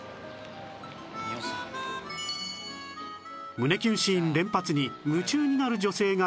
胸キュンシーン連発に夢中になる女性が続出しました